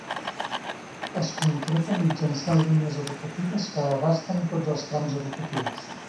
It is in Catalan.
Es concreta mitjançant línies educatives que abasten tots els trams educatius.